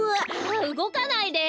あっうごかないで！